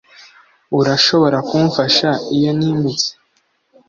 Urashobora kumfasha iyo nimutse